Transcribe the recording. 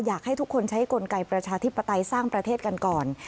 อยากให้ทุกคนใช้กลไกประชาธิปไตยสร้างประเทศกันก่อน